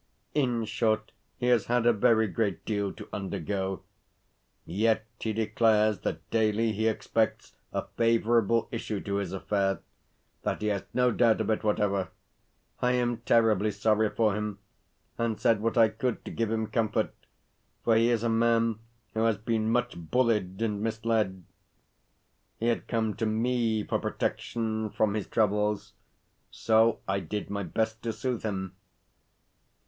In short, he has had a very great deal to undergo. Yet he declares that daily he expects a favourable issue to his affair that he has no doubt of it whatever. I am terribly sorry for him, and said what I could to give him comfort, for he is a man who has been much bullied and misled. He had come to me for protection from his troubles, so I did my best to soothe him.